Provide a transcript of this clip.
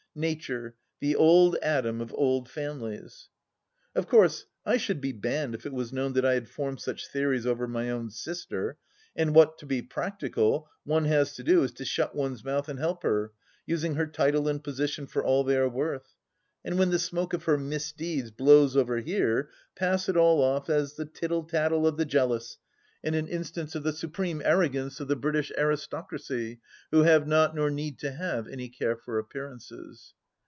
Nature — ^the old Adam of old families I Of course I should be banned if it was known that I had formed such theories over my own sister, and what, to be practical, one has to do, is to shut one's mouth and help her — ^using her title and position for all they are worth ; and when the smoke of her misdeeds blows over here, pass it all off as the tittle tattle of the jealous, and an instance THE LAST DITCH 9 of the supreme arrogance of the British aristocracy who have not, nor need to have, any care for appearances.